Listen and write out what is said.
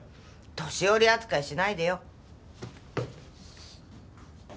年寄り扱いしないでよ。